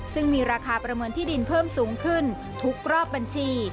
ซึ่งมีราคาประเมินที่ดินเพิ่มสูงขึ้นทุกรอบบัญชี